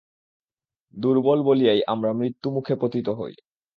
দুর্বল বলিয়াই আমরা মৃত্যুমুখে পতিত হই।